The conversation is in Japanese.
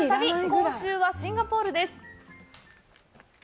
今週はシンガポールです。